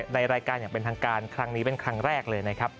ในรายการอย่างเป็นทางการครั้งนี้เป็นครั้งแรกเลยนะครับ